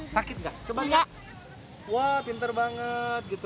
sakit nggak coba lihat wah pinter banget